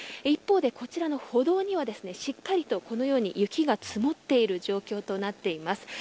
一方で、こちらの歩道にはしっかりと、このように雪が積もっている状況となっています。